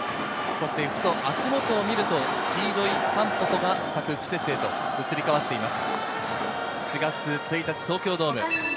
そして、ふと足元を見ると黄色いタンポポが咲く季節へと移り変わっています。